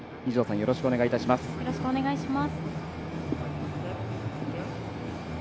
よろしくお願いします。